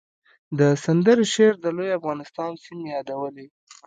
د سندرې شعر د لوی افغانستان سیمې یادولې